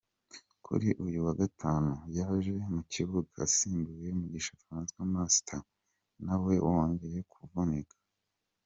Kuri uyu wa Gatanu yaje mu kibuga asimbuye Mugisha Francois Master nawe wongeye kuvunika.